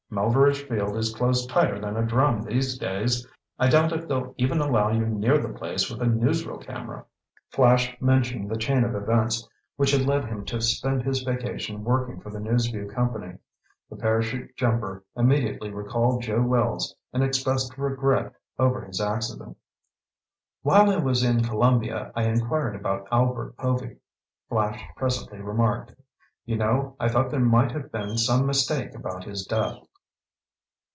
Melveredge Field is closed tighter than a drum these days. I doubt if they'll even allow you near the place with a newsreel camera." Flash mentioned the chain of events which had led him to spend his vacation working for the News Vue Company. The parachute jumper immediately recalled Joe Wells and expressed regret over his accident. "While I was in Columbia I inquired about Albert Povy," Flash presently remarked. "You know, I thought there might have been some mistake about his death."